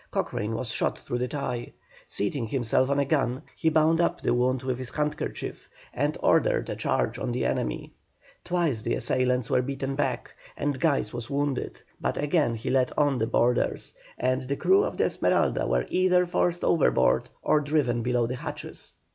Cochrane was shot through the thigh. Seating himself on a gun, he bound up the wound with his handkerchief, and ordered a charge on the enemy. Twice the assailants were beaten back, and Guise was wounded; but again he led on the boarders, and the crew of the Esmeralda were either forced overboard or driven below the hatches.